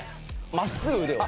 真っすぐ腕を。